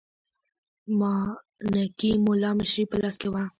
مانکي مُلا مشري په لاس کې وه.